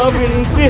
ambil musik kalian